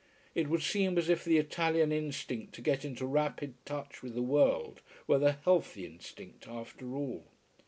It would seem as if the Italian instinct to get into rapid touch with the world were the healthy instinct after all.